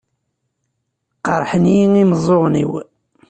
Qeṛḥen-iyi imeẓẓuɣen-iw.